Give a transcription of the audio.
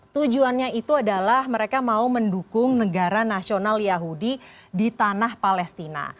tujuannya itu adalah mereka mau mendukung negara nasional yahudi di tanah palestina